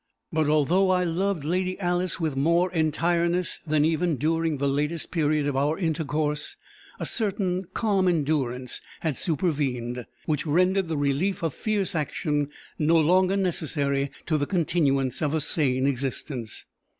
But although I loved Lady Alice with more entireness than even during the latest period of our intercourse, a certain calm endurance had supervened, which rendered the relief of fierce action no longer necessary to the continuance of a sane existence.